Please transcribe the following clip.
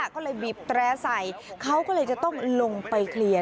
ก็เลยบีบแตร่ใส่เขาก็เลยจะต้องลงไปเคลียร์